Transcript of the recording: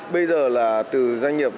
bây giờ là từ doanh nghiệp